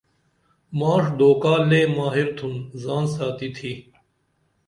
ماݜ دُوکا لے ماہر تُھن زان ساتی تِھی